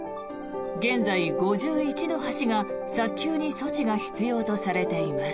現在、５１の橋が早急に措置が必要とされています。